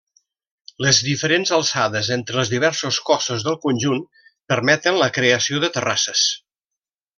Les diferents alçades entre els diversos cossos del conjunt, permeten la creació de terrasses.